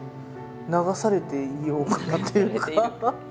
流されていようかなっていうか。